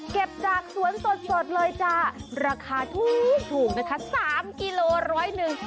จากสวนสดเลยจ้าราคาถูกนะคะสามกิโลร้อยหนึ่ง